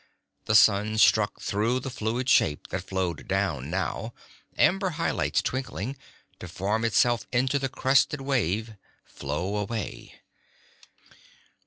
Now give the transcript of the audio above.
The sun struck through the fluid shape that flowed down now, amber highlights twinkling, to form itself into the crested wave, flow away.